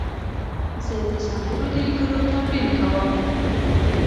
زه د سندرو د لیکلو تمرین کوم.